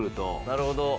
なるほど。